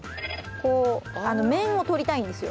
面を取りたいんですよ。